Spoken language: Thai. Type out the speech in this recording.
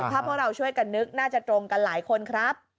ถ้าพวกเราช่วยกันนึกน่าจะตรงกันหลายคนครับ